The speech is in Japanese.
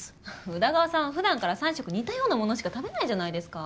宇田川さんはふだんから３食似たようなものしか食べないじゃないですか。